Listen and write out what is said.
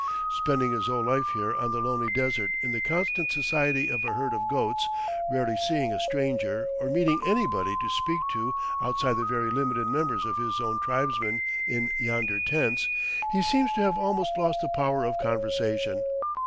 Spending his whole life here on the lonely desert in the constant society of a herd of goats, rarely seeing a stranger or meeting anybody to speak to outside the very limited members of his own tribesmen in yonder tents, he seems to have almost lost the power of conversation.